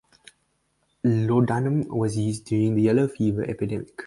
Laudanum was used during the yellow fever epidemic.